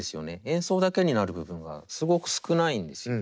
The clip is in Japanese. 演奏だけになる部分がすごく少ないんです。